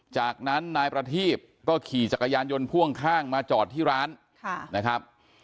จากนั้นนายประทีบก็ขี่จักรยานยนต์พ่วงข้างมาจอดที่ร้านนะครับ